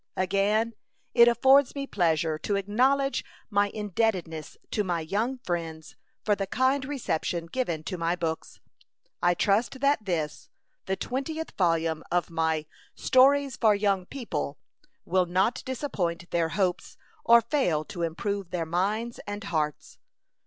Again it affords me pleasure to acknowledge my indebtedness to my young friends for the kind reception given to my books. I trust that this, the twentieth volume of my "Stories for Young People," will not disappoint their hopes, or fail to improve their minds and hearts.